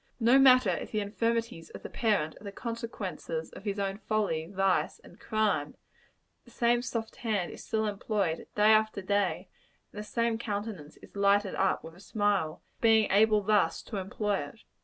No matter if the infirmities of the parent are the consequences of his own folly, vice and crime, the same soft hand is still employed, day after day and the same countenance is lighted up with a smile, at being able thus to employ it.